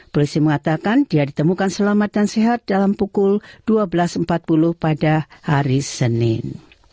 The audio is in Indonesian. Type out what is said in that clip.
polisi mengatakan dia ditemukan selamat dan sehat dalam pukul dua belas empat puluh pada hari senin